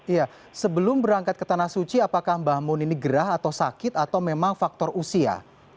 iya sebelum berangkat ke tanah suci apakah mbah mun ini gerah atau sakit atau memang faktor usia